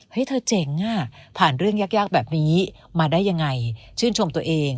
เธอเจ๋งอ่ะผ่านเรื่องยากแบบนี้มาได้ยังไงชื่นชมตัวเอง